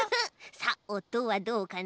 さあおとはどうかな？